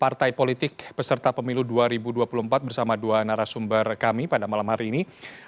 partai politik peserta pemilu dua ribu dua puluh empat bersama dua narasumber kami pada malam hari ini